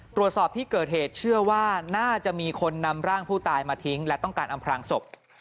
ตรวจสอบที่เกิดเหตุเชื่อว่าน่าจะมีคนนำร่างผู้ตายมาทิ้งและต้องการอำพลางศพ